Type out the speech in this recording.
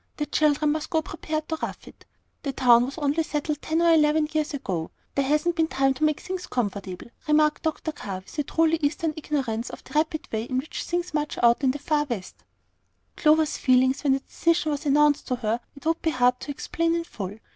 The children must go prepared to rough it. The town was only settled ten or eleven years ago; there hasn't been time to make things comfortable," remarked Dr. Carr, with a truly Eastern ignorance of the rapid way in which things march in the far West. Clover's feelings when the decision was announced to her it would be hard to explain in full.